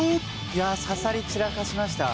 いやあ刺さり散らかしました。